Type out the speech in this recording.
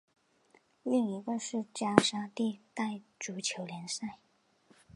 另一个是加沙地带足球联赛。